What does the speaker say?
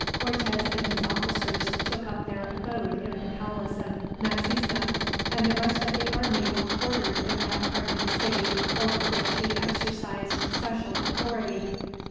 Cortez and his officers took up their abode in the palace of Maxixca, and the rest of the army were quartered in that part of the city over which he exercised special authority.